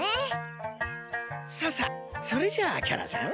ささっそれじゃあキャラさん